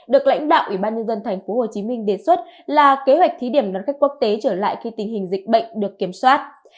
được lãnh đạo ủy ban nhân dân thành phố hồ chí minh đề xuất là kế hoạch thí điểm đón khách quốc tế trở lại khi tình hình dịch bệnh được kiểm soát